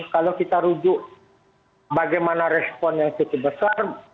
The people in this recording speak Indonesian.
kalau kita rujuk bagaimana respon yang cukup besar